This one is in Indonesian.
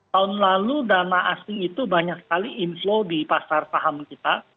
tahun lalu dana asing itu banyak sekali inflow di pasar saham kita